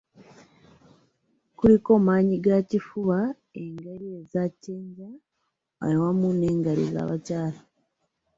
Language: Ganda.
Kuliko maanyigakifuba, eggaali eza "ccenja" awamu n’eggaali z’abakyala.